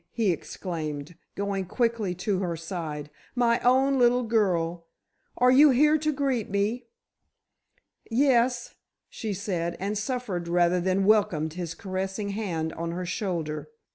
he exclaimed, going quickly to her side, "my own little girl! Are you here to greet me?" "Yes," she said, and suffered rather than welcomed his caressing hand on her shoulder.